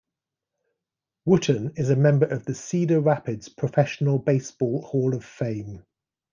Wooten is a member of the Cedar Rapids Professional Baseball Hall of Fame.